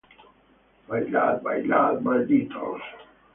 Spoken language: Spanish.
Orad sin cesar.